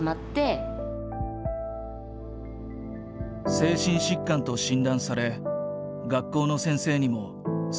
精神疾患と診断され学校の先生にも救いを求めた。